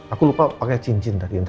aku lupa pakai cincin tadi